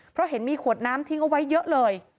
เพราะเห็นมีขวดน้ำทิ้งเอาไว้เยอะเลย